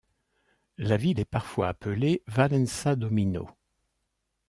La ville est parfois appelée Valença do Minho.